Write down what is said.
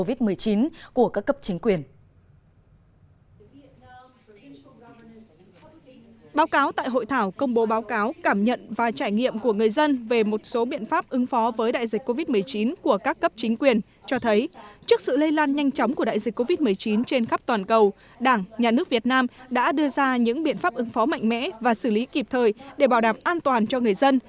báo cáo tại hội thảo công bố báo cáo cảm nhận và trải nghiệm của người dân về một số biện pháp ứng phó với đại dịch covid một mươi chín của các cấp chính quyền cho thấy trước sự lây lan nhanh chóng của đại dịch covid một mươi chín trên khắp toàn cầu đảng nhà nước việt nam đã đưa ra những biện pháp ứng phó mạnh mẽ và xử lý kịp thời để bảo đảm an toàn cho người dân